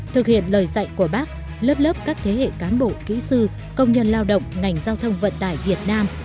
thực hiện lời dạy của bác lớp lớp các thế hệ cán bộ kỹ sư công nhân lao động ngành giao thông vận tải việt nam